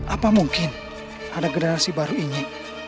apa mungkin ada generasi baru ini